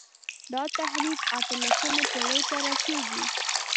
دا تحریک اته لسمې پېړۍ ته رسېږي.